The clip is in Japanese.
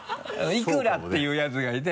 伊倉っていうやつがいて。